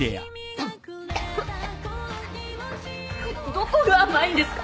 どこが甘いんですか！